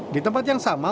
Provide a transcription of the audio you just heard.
di tempat yang sama